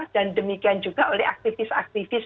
dan demikian juga oleh aktivis aktivis